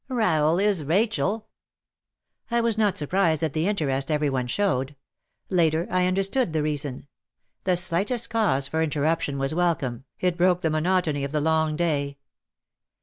Rahel is Rachel." I was surprised at the interest every one showed. Later I understood the reason. The slightest cause for inter ruption was welcome, it broke the monotony of the long day.